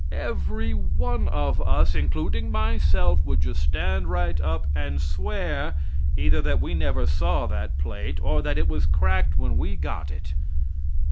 Every one of us including myself would just stand right up and swear either that we never saw that plate, or that it was cracked when we got it.